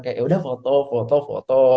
kayak yaudah foto foto foto